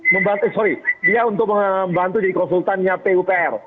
membantu sorry dia untuk membantu jadi konsultannya pupr